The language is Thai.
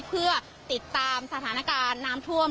เพื่อติดตามสถานการณ์น้ำท่วม